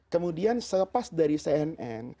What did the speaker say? kemudian selepas dari cnn